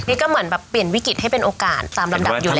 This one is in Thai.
นี่ก็เหมือนแบบเปลี่ยนวิกฤตให้เป็นโอกาสตามลำดับอยู่แล้ว